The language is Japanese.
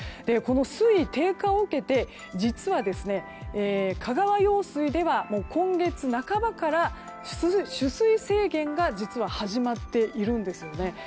この水位低下を受けて実は、香川用水では今月半ばから取水制限が実は始まっているんです。